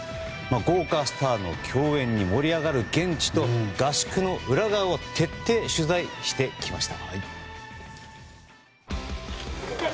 豪華スターの共演に盛り上がる現地と合宿の裏側を徹底取材してきました。